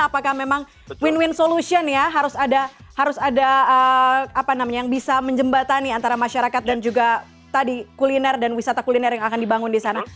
apakah memang win win solution ya harus ada apa namanya yang bisa menjembatani antara masyarakat dan juga tadi kuliner dan wisata kuliner yang akan dibangun di sana